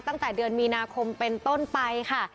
ตั้งแต่เดือนมีนาคมเป็นต้นไปค่ะ